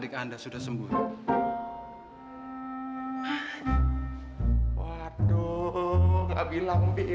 eh apa lu gua nggak ada urusan ya sama lu